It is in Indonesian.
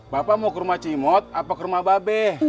bapak mau ke rumah cimot apa ke rumah babe